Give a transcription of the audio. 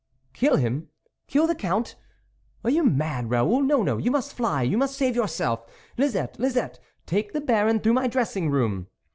" Kill him ! kill the Count ? are you mad, Raoul ? No, no, you must fly, you must save yourself .... Lisette ! Lis ette ! take the Baron through my dressing room.